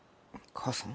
母さん？